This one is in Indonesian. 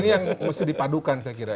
ini yang mesti dipadukan saya kira